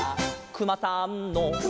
「くまさんの」